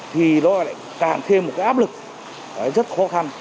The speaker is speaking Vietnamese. thì nó lại càng thêm một cái áp lực rất khó khăn